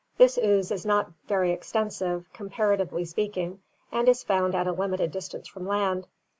This ooze is not very extensive, comparatively speaking, and is found at a limited distance from land.